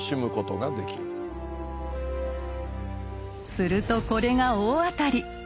するとこれが大当たり。